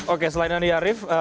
oke selain andi arief